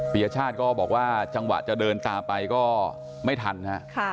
ยชาติก็บอกว่าจังหวะจะเดินตามไปก็ไม่ทันฮะ